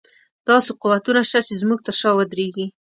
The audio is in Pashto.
داسې قوتونه شته چې زموږ تر شا ودرېږي.